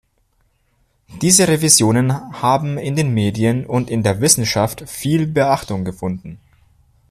Diese Revisionen haben in den Medien und in der Wissenschaft viel Beachtung gefunden.